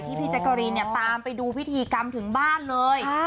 พี่แจ๊กกะรีนเนี่ยตามไปดูพิธีกรรมถึงบ้านเลย